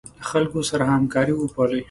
له خلکو سره همکاري وپالئ.